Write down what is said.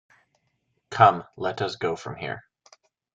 Come, let us go from here!